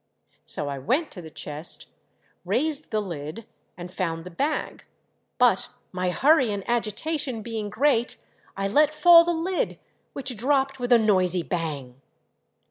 So I went to the chest, raised the lid, and found the bag, but my hurry and agitation being great I let fall the lid which dropped with a noisy bang.